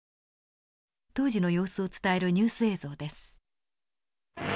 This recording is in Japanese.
当時の様子を伝えるニュース映像です。